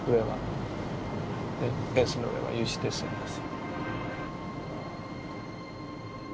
フェンスの上は有刺鉄線です。